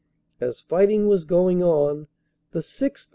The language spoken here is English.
As fighting was going on, the 6th.